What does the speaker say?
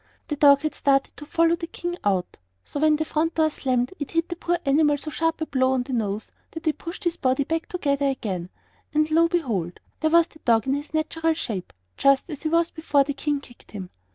The dog had started to follow the King out, so when the front door slammed it hit the poor animal so sharp a blow on the nose that it pushed his body together again; and, lo and behold! there was the dog in his natural shape, just as he was before the King kicked him.